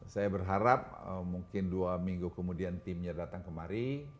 saya berharap mungkin dua minggu kemudian timnya datang kemari